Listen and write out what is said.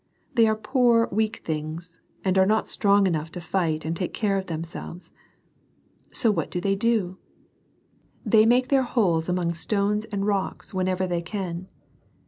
They are poor weak things, and are not strong enough to fight and take care of themselves. So what do they do ? They make their holes among stones and rocks, whenever they can.